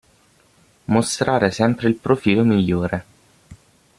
Mostrare sempre il profilo migliore.